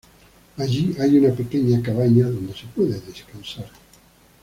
Allí hay una pequeña cabaña donde se puede descansar.